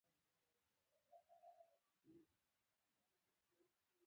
د دوبي لمر اوبه ژر سرې کوي.